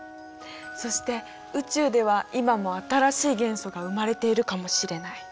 そして宇宙では今も新しい元素が生まれているかもしれない。